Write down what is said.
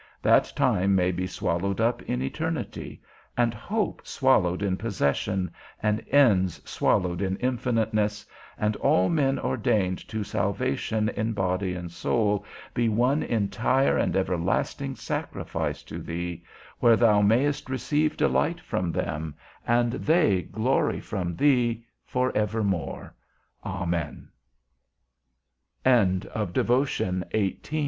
That time may be swallowed up in eternity, and hope swallowed in possession, and ends swallowed in infiniteness, and all men ordained to salvation in body and soul be one entire and everlasting sacrifice to thee, where thou mayst receive delight from them, and they glory from thee, for evermore.